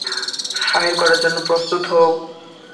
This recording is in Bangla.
ফায়ার করার জন্য প্রস্তুত হও।